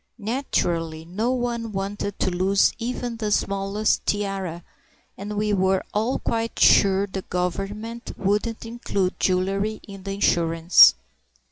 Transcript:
Naturally no one wanted to lose even the smallest tiara, and we were all quite sure the Government wouldn't include jewellery in the insurance.